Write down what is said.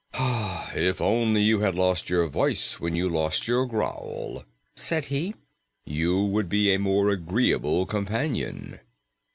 "If only you had lost your voice when you lost your growl," said he, "you would be a more agreeable companion."